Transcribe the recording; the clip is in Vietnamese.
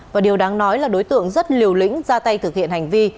và điều đáng nói là đối tượng rất liều lĩnh ra tay thực hiện hành vi